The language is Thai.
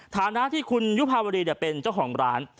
ฐานะที่คุณยุภาวรีเป็นเจ้าของร้าน